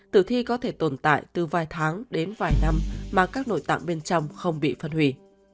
tử thi có thể tồn tại từ vài tháng đến vài năm mà các nội tạng bên trong không bị phân hủy